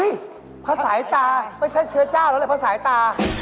อุ๊ยพระสายตาไม่ใช่เชื้อเจ้าแล้วล่ะพระสายตา